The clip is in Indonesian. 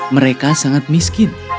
mereka sangat miskin